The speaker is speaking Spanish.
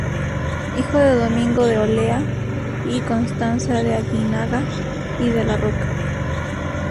Hijo de Domingo de Olea y Constanza de Aguinaga y de la Roca.